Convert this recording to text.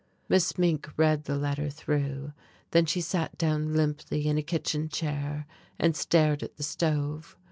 Miss Mink read the letter through, then she sat down limply in a kitchen chair and stared at the stove.